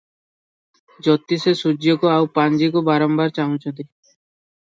ଜ୍ୟୋତିଷେ ସୂର୍ଯ୍ୟକୁ ଆଉ ପାଞ୍ଜିକୁ ବାରମ୍ବାର ଚାହୁଁଛନ୍ତି ।